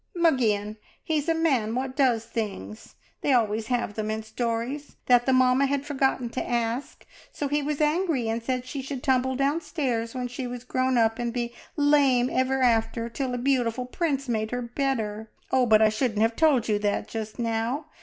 "Mugian! He's a man what does things. They always have them in stories that the mamma had forgotten to ask, so he was angry and said she should tumble downstairs when she was grown up and be lame ever after till a beautiful prince made her better. Oh, but I shouldn't have told you that jest now.